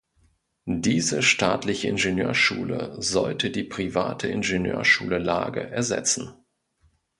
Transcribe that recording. Diese staatliche Ingenieurschule sollte die private Ingenieurschule Lage ersetzen.